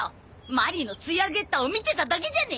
マリーのツイアゲッターを見てただけじゃねえか。